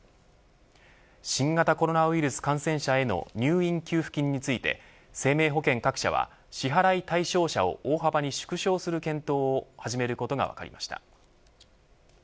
新型コロナウイルス感染者への入院給付金について生命保険各社は支払い対象者を大幅に縮小する検討を始めることが分かりました。